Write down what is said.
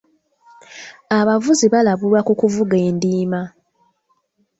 Abavuzi balabulwa ku kuvuga endiima.